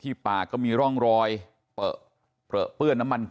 ที่ปากก็มีร่องรอยเหมือนถูกจับกรอกปาก